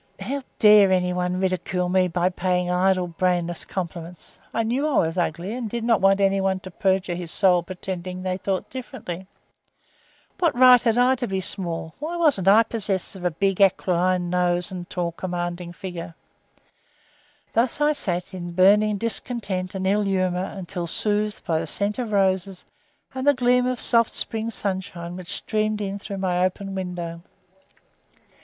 "How dare anyone ridicule me by paying idle brainless compliments! I knew I was ugly, and did not want any one to perjure his soul pretending they thought differently. What right had I to be small? Why wasn't I possessed of a big aquiline nose and a tall commanding figure?" Thus I sat in burning discontent and ill humour until soothed by the scent of roses and the gleam of soft spring sunshine which streamed in through my open window.